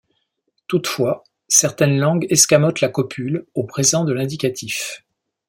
Toutefois, certaines langues escamotent la copule au présent de l'indicatif.